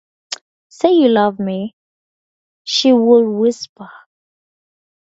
"Say you love me," she would whisper.